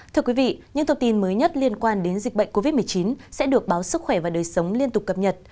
thưa quý vị những thông tin mới nhất liên quan đến dịch bệnh covid một mươi chín sẽ được báo sức khỏe và đời sống liên tục cập nhật